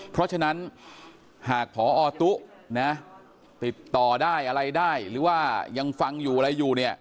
เพราะฉะนั้นหากพอตุ๊นะติดต่อได้อะไรได้หรือว่ายังฟังอยู่อะไรอยู่เนี่ย